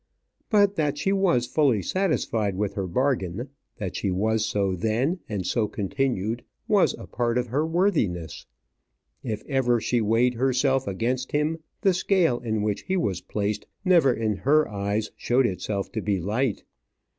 But that she was fully satisfied with her bargain that she was so then and so continued was a part of her worthiness. If ever she weighed herself against him, the scale in which he was placed never in her eyes showed itself to be light.